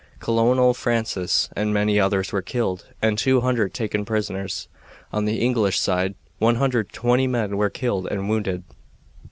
Colonel Francis and many others were killed and two hundred taken prisoners. On the English side 120 men were killed and wounded.